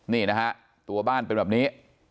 นี่นะฮะตัวบ้านเป็นแบบนี้